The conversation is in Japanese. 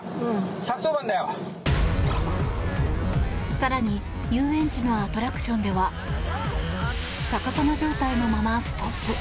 更に遊園地のアトラクションでは逆さま状態のままストップ。